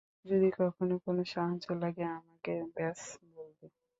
যদি কখনো কোনো সাহায্য লাগে, আমাকে ব্যস বলবে।